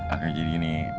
akhirnya jadi gini